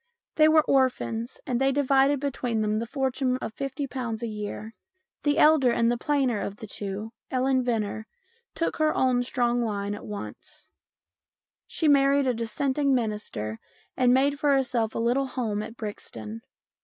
They were orphans, and they divided between them a fortune of 50 a year. The elder and plainer of the two, Ellen Venner, took her own strong line at once. She married a Dissenting minister and made for herself a little home at Brixton.